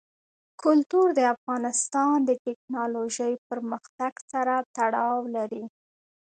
کلتور د افغانستان د تکنالوژۍ پرمختګ سره تړاو لري.